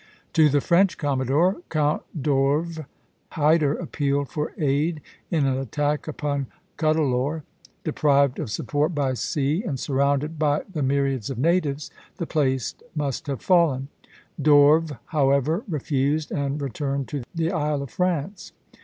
To the French commodore, Count d'Orves, Hyder appealed for aid in an attack upon Cuddalore. Deprived of support by sea, and surrounded by the myriads of natives, the place must have fallen. D'Orves, however, refused, and returned to the Isle of France.